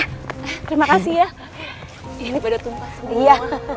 terima kasih ya